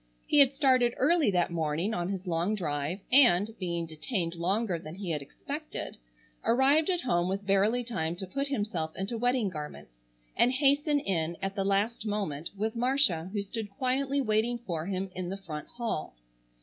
He had started early that morning on his long drive, and, being detained longer than he had expected, arrived at home with barely time to put himself into wedding garments, and hasten in at the last moment with Marcia who stood quietly waiting for him in the front hall.